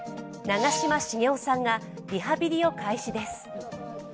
長嶋茂雄さんがリハビリを開始です。